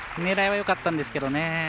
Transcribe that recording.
狙いはよかったんですけど。